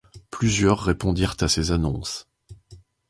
Plusieurs répondirent à ses annonces.